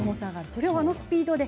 それをあのスピードで。